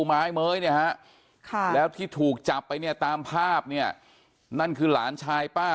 ไม้เม้ยเนี่ยฮะแล้วที่ถูกจับไปเนี่ยตามภาพเนี่ยนั่นคือหลานชายป้า